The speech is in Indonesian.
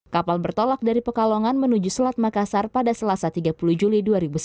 kapal bertolak dari pekalongan menuju selat makassar pada selasa tiga puluh juli dua ribu sembilan belas